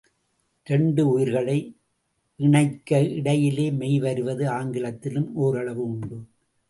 இரண்டு உயிர்களை இணைக்க இடையிலே மெய் வருவது ஆங்கிலத்திலும் ஓரளவு உண்டு.